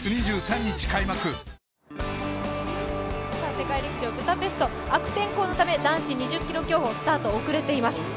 世界陸上ブダペスト、悪天候のため男子２０ｋｍ競歩、スタートが遅れています。